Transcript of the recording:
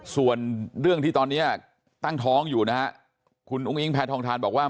ส่วนเรื่องที่ตอนนี้ตั้งท้องอยู่นะฮะคุณอุ้งอิงแพทองทานบอกว่า